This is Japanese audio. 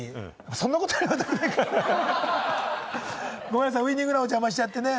そんなことよりってことはないか、ごめんなさい、ウイニングランを邪魔しちゃって。